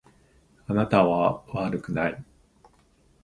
あなたは悪くない。